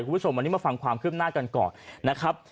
คุณผู้ชมวันนี้มาฟังความคืบหน้ากันก่อนนะครับ